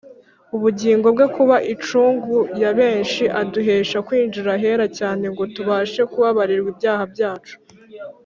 ubugingo bwe kuba incungu ya benshi aduhesha kwinjira ahera cyane ngo tubashe kubabarirwa ibyaha byacu.